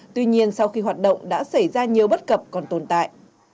tuy nhiên sau khi hoạt động đã xảy ra nhiều bất cập còn tồn tại